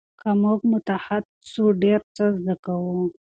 که موږ متحد سو ډېر څه زده کوو.